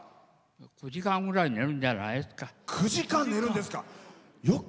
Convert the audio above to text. ９時間ぐらい寝るんじゃないですか。